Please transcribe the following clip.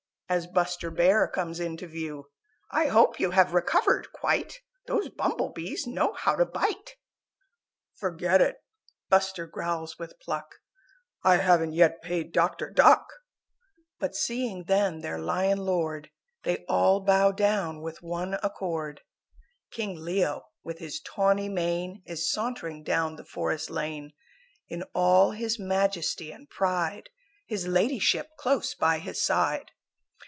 As Buster Bear comes into view; "I hope you have recovered quite Those Bumble Bees know how to bite!" "Forget it!" Buster growls with pluck, "I haven't yet paid Doctor Duck!" But seeing then their Lion Lord, They all bow down with one accord. King Leo, with his tawny mane, Is sauntering down the Forest Lane, In all his majesty and pride His Ladyship close by his side.